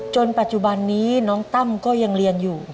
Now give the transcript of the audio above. จนปัจจุบันนี้น้องตั้มก็ยังเรียนอยู่